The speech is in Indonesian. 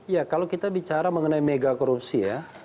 ya kalau kita bicara mengenai mega korupsi ya